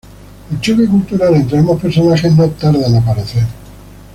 El choque cultural entre ambos personajes no tarda en aparecer.